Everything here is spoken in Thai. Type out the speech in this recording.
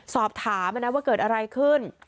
สอบถามนะว่าเกิดอะไรขึ้น